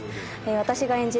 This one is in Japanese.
私が演じる